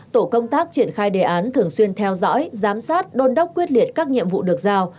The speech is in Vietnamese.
tổ công tác triển khai đề án thường xuyên theo dõi giám sát đôn đốc quyết liệt các nhiệm vụ được giao